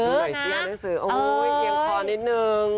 อ่อนเคี่ยบโอ้ยเหมียงคอนิดนึง